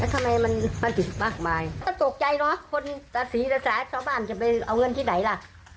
แล้วทำไมมันมันติดมากมายก็ตกใจเนอะคนสี่หรือสามชาวบ้านจะไปเอาเงินที่ไหนล่ะ